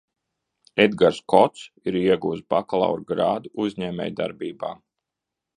Edgars Kots ir ieguvis bakalaura grādu uzņēmējdarbībā.